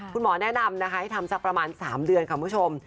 คุณหมอแนะนำนะคะให้ทำสักประมาณ๓เดือนค่ะคุณผู้ชม